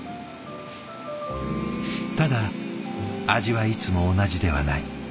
ただ味はいつも同じではない。